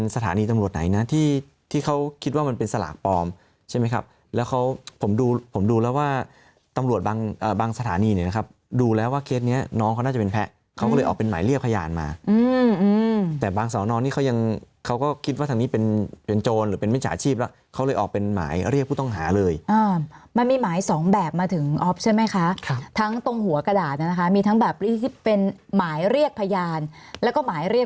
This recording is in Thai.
สถานีเนี้ยนะครับดูแล้วว่าเคสเนี้ยน้องเขาน่าจะเป็นแพะเขาก็เลยออกเป็นหมายเรียกพยานมาอืมอืมแต่บางสาวนอนที่เขายังเขาก็คิดว่าทางนี้เป็นเป็นโจรหรือเป็นมิจฉาชีพแล้วเขาเลยออกเป็นหมายเรียกผู้ต้องหาเลยอ่ามันมีหมายสองแบบมาถึงออฟใช่ไหมคะครับทั้งตรงหัวกระดาษน่ะนะคะมีทั้งแบบที่เป็นหมายเรียกพยานแล้วก็หมายเรี